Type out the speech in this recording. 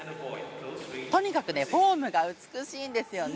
とにかくフォームが美しいんですよね。